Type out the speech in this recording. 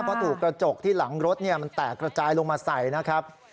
เพราะถูกกระจกที่หลังรถมันแตกระจายลงมาใส่นะครับ